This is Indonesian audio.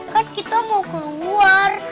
kan kita mau keluar